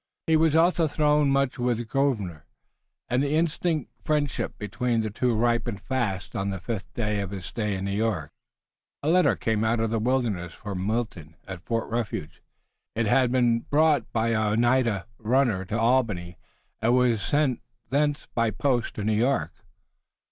He was also thrown much with Grosvenor, and the instinctive friendship between the two ripened fast. On the fifth day of his stay in New York a letter came out of the wilderness from Wilton at Fort Refuge. It had been brought by an Oneida runner to Albany, and was sent thence by post to New York.